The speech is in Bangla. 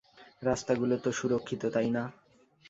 রাস্তাগুলো তো সুরক্ষিত, তাই না?